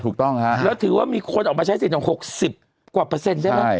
ถูกต้องฮะแล้วถือว่ามีคนออกมาใช้สิทธิ์๖๐กว่าเปอร์เซ็นต์ใช่ไหม